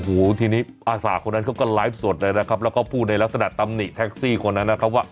โอ้โหทีนี้อาสาคนนั้นเขาก็ไลฟ์สดเลยนะครับแล้วก็พูดในลักษณะตำหนิแท็กซี่คนนั้นนะครับว่า